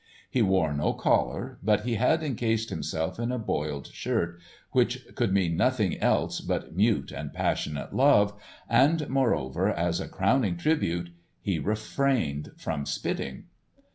He wore no collar, but he had encased himself in a boiled shirt, which could mean nothing else but mute and passionate love, and moreover, as a crowning tribute, he refrained from spitting.